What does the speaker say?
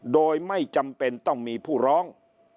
โดยไม่จำเป็นต้องมีผู้ร้อง